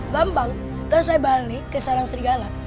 bambang terus saya balik ke sarang serigala